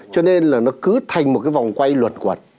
cho nên là nó cứ thành một cái vòng quay luật quật